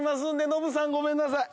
ノブさんごめんなさい。